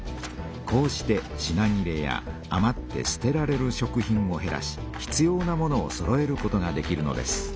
こうして品切れやあまってすてられる食品をへらし必要なものをそろえることができるのです。